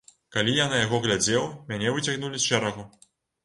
Калі я на яго глядзеў, мяне выцягнулі з шэрагу.